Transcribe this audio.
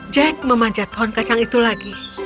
jack memanjat pohon kacang itu lagi